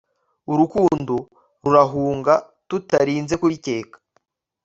urukundo rurahunga tutarinze kubikeka